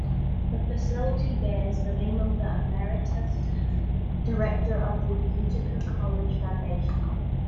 The facility bears the name of the emeritus director of the Utica College Foundation.